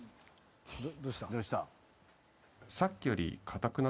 どうした？